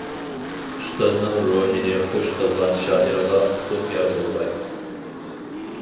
ئۇستازنىڭ روھىنى خۇش قىلغان شائىرغا ئۇتۇق يار بولغاي!